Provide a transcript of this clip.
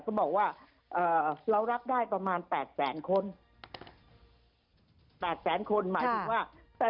ก็บอกว่าเรารักได้๙๐๐๐คน๘๐๐๐คนหมายถึงว่า